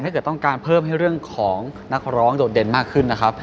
ถ้าเกิดต้องการเพิ่มให้เรื่องของนักร้องโดดเด่นมากขึ้นนะครับ